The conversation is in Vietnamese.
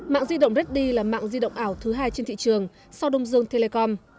mạng di động reddy là mạng di động ảo thứ hai trên thị trường sau đông dương telecom